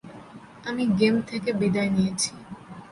আমি গেম থেকে বিদায় নিয়েছি।